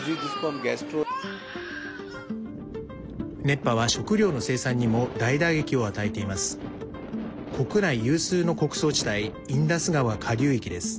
熱波は食糧の生産にも大打撃を与えています。